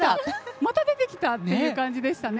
また出てきた！という感じでしたね。